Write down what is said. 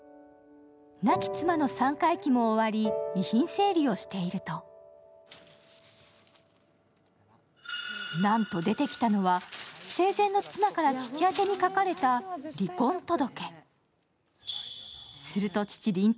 亡き妻の３回忌も終わり、遺品整理をしているとなんと出てきたのは生前の妻から父宛てに書かれた離婚届。